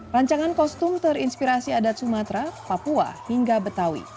rancangan kostum terinspirasi adat sumatera papua hingga betawi